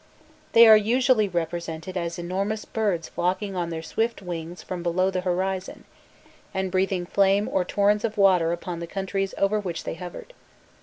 They are usually represented as enormous birds flocking on their swift wings from below the horizon, and breathing flame or torrents of water upon the countries over which they hovered.